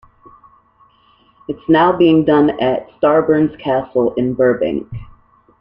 It's now being done at Starburns Castle in Burbank.